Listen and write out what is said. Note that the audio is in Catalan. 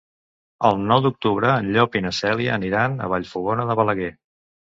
El nou d'octubre en Llop i na Cèlia aniran a Vallfogona de Balaguer.